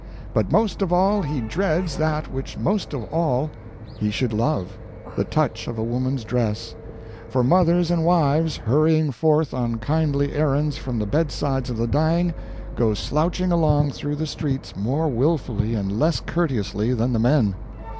But most of all he dreads that which most of all he should love the touch of a woman's dress; for mothers and wives, hurrying forth on kindly errands from the bedsides of the dying, go slouching along through the streets more willfully and less courteously than the men.